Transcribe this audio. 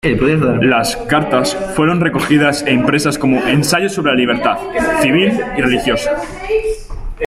Las "Cartas" fueron recogidas e impresas como "Ensayos sobre la libertad, civil y religiosa".